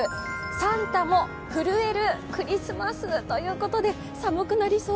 サンタも震えるクリスマスということで、寒くなりそう。